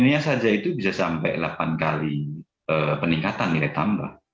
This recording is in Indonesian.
sebenarnya saja itu bisa sampai delapan kali peningkatan nilai tambah